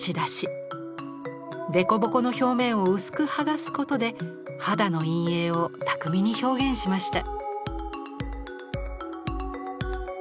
デコボコの表面を薄く剥がすことで肌の陰影を巧みに表現しました。